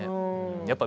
やっぱり。